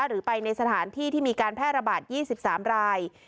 หรือไปในสถานที่ที่มีการแพร่ระบาด๒๓ราย